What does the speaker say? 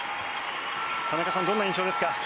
田中さん、どんな印象ですか？